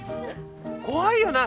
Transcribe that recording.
怖いよな